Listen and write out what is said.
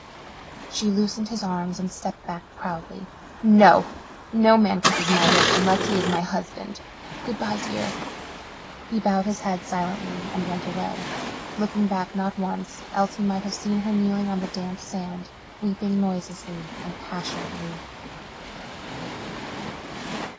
She loosened his arms and stepped back proudly. "No! No man kisses my lips unless he is to be my husband. Good bye, dear." He bowed his head silently and went away, looking back not once, else he might have seen her kneeling on the damp sand weeping noiselessly and passionately.